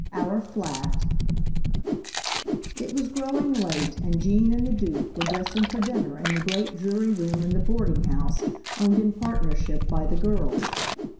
158 CHAPTER I. IT was growing late and Gene and the Duke were dressing for dinner in the great dreary room in the boarding house owned in partnership by the girls.